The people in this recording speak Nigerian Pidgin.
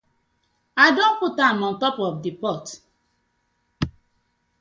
I don put am for on top of the pot.